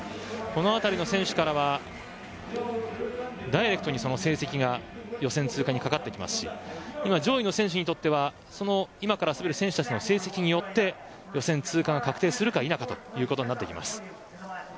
この辺りの選手からはダイレクトに成績が予選通過にかかってきますし今、上位の選手にとっては今から滑る選手たちの成績によって予選通過が確定するか否かになります。